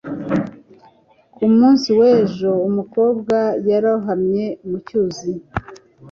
Ku munsi w'ejo, umukobwa yarohamye mu cyuzi.